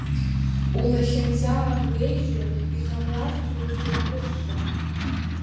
Улахьынҵа ануеижьо, иҟамларцу узырҟәышша?